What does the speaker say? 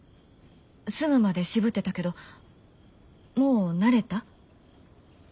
住むまで渋ってたけどもう慣れた？